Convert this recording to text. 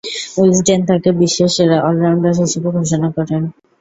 Wisden তাকে বিশ্বের সেরা অল-রাউন্ডার হিসেবে ঘোষণা করে।